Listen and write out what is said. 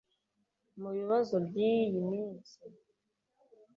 Mu bibazo byiyi minsi…